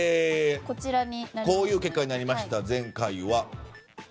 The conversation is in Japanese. こういう結果になりました前回は。